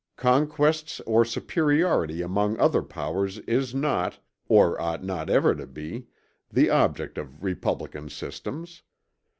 Conquests or superiority among other powers is not, or ought not ever to be, the object of republican systems.